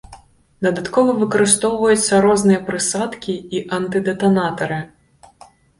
Дадаткова выкарыстоўваюцца розныя прысадкі і антыдэтанатары.